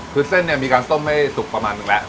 คือเส้นเนี่ยมีการต้มให้สุกประมาณนึงแล้ว